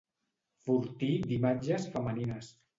Fortí d'imatges femenines.